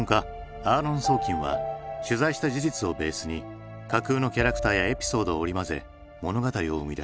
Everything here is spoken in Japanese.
アーロン・ソーキンは取材した事実をベースに架空のキャラクターやエピソードを織り交ぜ物語を生み出した。